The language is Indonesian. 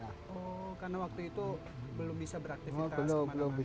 oh karena waktu itu belum bisa beraktifitas